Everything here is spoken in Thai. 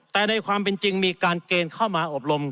แต่ในความเป็นจริงมีการเกณฑ์เข้ามาอบรม